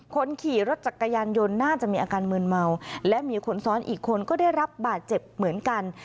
คนขี่รถจักรยานยนต์น่าจะมีอาการมืนเมาและมีคนซ้อนอีกคนก็ได้รับบาดเจ็บเหมือนกัน